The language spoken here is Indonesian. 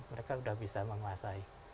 mereka sudah bisa menguasai